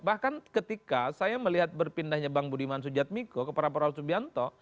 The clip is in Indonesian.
bahkan ketika saya melihat berpindahnya bang budiman sujatmiko ke prabowo subianto